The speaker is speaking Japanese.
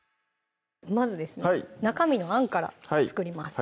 まず中身のあんから作ります